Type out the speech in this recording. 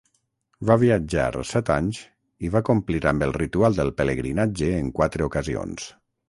Va viatjar set anys i va complir amb el ritual del pelegrinatge en quatre ocasions.